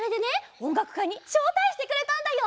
おんがくかいにしょうたいしてくれたんだよ！